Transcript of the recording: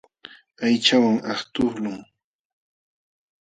Aychawan aqtuqlun.